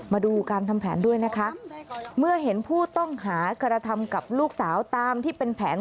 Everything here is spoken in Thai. มาดูการทำแผนด้วยนะคะเมื่อเห็นผู้ต้องหากระทำกับลูกสาวตามที่เป็นแผน